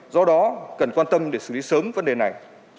do đó cần quan tâm để xử lý sớm vấn đề này